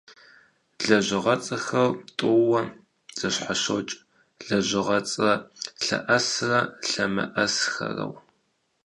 Лэжьыгъэцӏэхэр тӏууэ зэщхьэщокӏ - лэжьыгъэцӏэ лъэӏэсрэ лъэмыӏэсхэрэу.